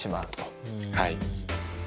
はい。